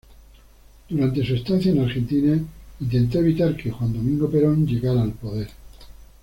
Durante su estancia en Argentina intentó evitar que Juan Domingo Perón llegara al poder.